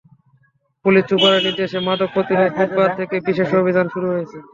Police সুপারের নির্দেশে মাদক প্রতিরোধে বুধবার থেকে বিশেষ অভিযান শুরু হয়েছে।